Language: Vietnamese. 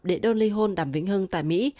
để đơn ly hôn đàm vĩnh hưng tại mỹ